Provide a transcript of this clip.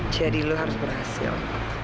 jadi lu harus berhasil